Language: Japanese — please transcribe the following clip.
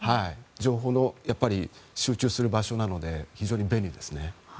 情報の集中する場所なので非常に便利ですね。